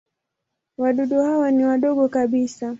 Wadudu hawa ni wadogo kabisa.